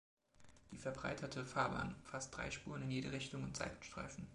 Die verbreiterte Fahrbahn umfasst drei Spuren in jede Richtung und Seitenstreifen.